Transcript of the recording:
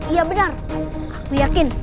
iya benar aku yakin